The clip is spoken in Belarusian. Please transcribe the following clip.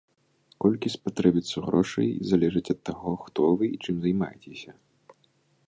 Колькі спатрэбіцца грошай, залежыць ад таго, хто вы і чым займаецеся.